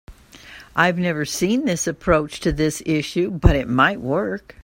I have never seen this approach to this issue, but it might work.